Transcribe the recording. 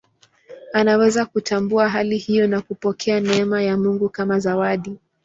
Anaweza kutambua hali hiyo na kupokea neema ya Mungu kama zawadi.